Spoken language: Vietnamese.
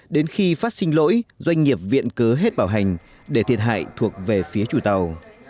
đến khi phát sinh lỗi doanh nghiệp viện cớ hết bảo hành để thiệt hại thuộc về phía chủ tàu